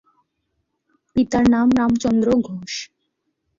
পিতার নাম রামচন্দ্র ঘোষ।